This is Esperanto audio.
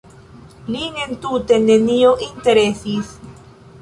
Lin entute nenio interesis.